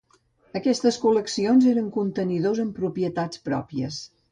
Aquestes col·leccions eren contenidors amb propietats pròpies.